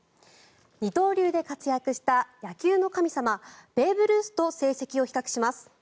二刀流で活躍した野球の神様、ベーブ・ルースと成績を比較します。